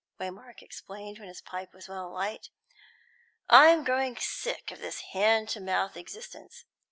Waymark exclaimed, when his pipe was well alight. "I'm growing sick of this hand to mouth existence.